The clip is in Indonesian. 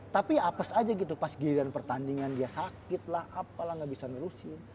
tapi apes aja gitu pas giliran pertandingan dia sakit lah apalah gak bisa nerusi